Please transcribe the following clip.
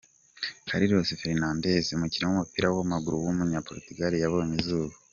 Carlos Fernandes, umukinnyi w’umupira w’amaguru w’umunyaportugal yabonye izuba.